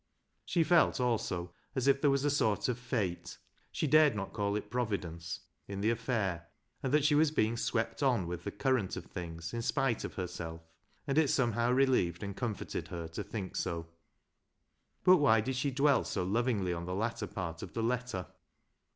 She felt, also, as if there was a sort of fate — she dared not call it Providence — in the affair, and that she was being swept on with the current of things in spite of herself, and it somehow relieved and comforted her to think so. But why did she dwell so lovingly on the latter part of the letter